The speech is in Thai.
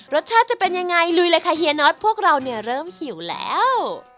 จะเป็นยังไงลุยเลยค่ะเฮียน็อตพวกเราเนี่ยเริ่มหิวแล้ว